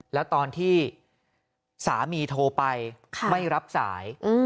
แล้วตอนที่สามีโทรไปไม่รับสาย